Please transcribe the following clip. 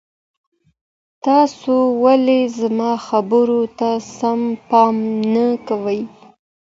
تاسو ولي زما خبرو ته سم پام نه کوئ؟